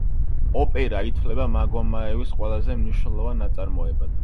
ოპერა ითვლება მაგომაევის ყველაზე მნიშვნელოვან ნაწარმოებად.